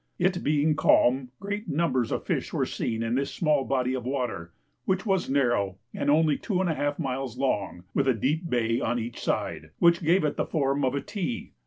It being calm, great numbers of fish were seen in this small body of water, which was narrow and only two and a half miles long, with a deep bay on each side, which gave it the form of a T.